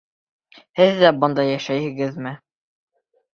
Һеҙ ҙә бында йәшәйһегеҙме?